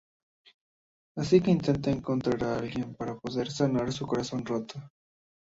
Así que intenta encontrar a alguien para poder sanar su corazón roto.